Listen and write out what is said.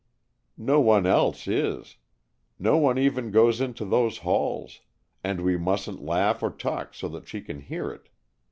"No one else is. No one even goes into those halls, and we mustn't laugh or talk so that she can hear it.